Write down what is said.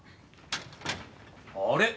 あれ？